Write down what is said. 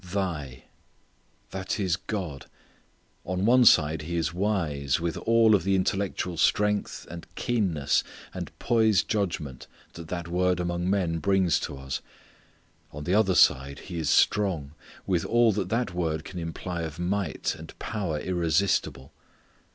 "Thy": That is God. On one side, He is wise, with all of the intellectual strength, and keenness and poised judgment that that word among men brings to us. On another side, He is strong, with all that that word can imply of might and power irresistible.